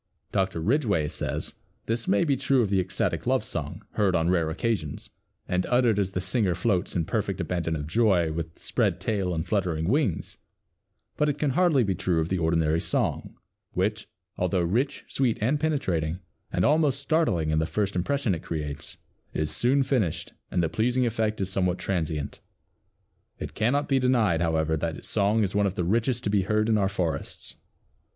Dr. Ridgway says, "This may be true of the ecstatic love song, heard on rare occasions, and uttered as the singer floats in perfect abandon of joy, with spread tail and fluttering wings, but it can hardly be true of the ordinary song, which, although rich, sweet and penetrating, and almost startling in the first impression it creates, is soon finished and the pleasing effect is somewhat transient. It cannot be denied, however, that its song is one of the richest to be heard in our forests."